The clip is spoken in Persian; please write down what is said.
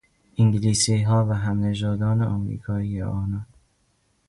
انگلیسیها و همنژادان امریکایی آنان